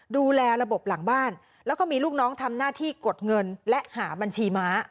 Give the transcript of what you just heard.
ดูแลระบบหลังบ้านแล้วก็มีลูกน้องทำหน้าที่กดเงินและหาบัญชีม้า